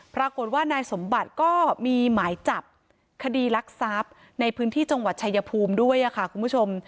ปรากฏว่านายสมบัติก็มีหมายจับคดีรักทรัพย์ในพื้นที่จังหวัดชายภูมิด้วยค่ะคุณผู้ชม